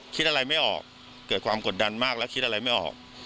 คิดอะไรไม่ออกเกิดความกดดันมากและคิดอะไรไม่ออก